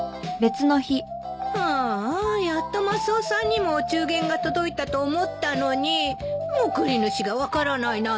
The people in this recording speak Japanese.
ああやっとマスオさんにもお中元が届いたと思ったのに贈り主が分からないなんて。